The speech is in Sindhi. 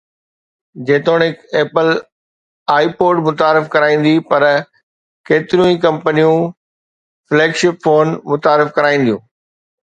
جيتوڻيڪ ايپل آئي پوڊ متعارف ڪرائيندي پر ڪيتريون ئي ڪمپنيون فليگ شپ فون متعارف ڪرائينديون